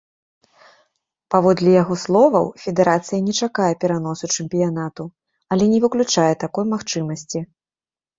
Паводле яго словаў, федэрацыя не чакае пераносу чэмпіянату, але не выключае такой магчымасці.